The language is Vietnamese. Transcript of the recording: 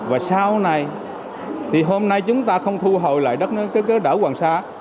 và sau này hôm nay chúng ta không thu hồi lại đất nước đảo hoàng sa